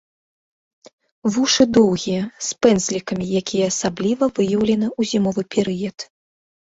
Вушы доўгія, з пэндзлікамі, якія асабліва выяўлены ў зімовы перыяд.